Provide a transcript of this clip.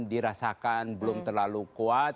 dirasakan belum terlalu kuat